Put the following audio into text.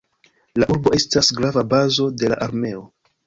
La urbo estas grava bazo de la armeo.